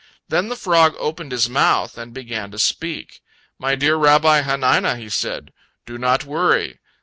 Then the frog opened his mouth and began to speak. "My dear Rabbi Hanina," he said, "do not worry!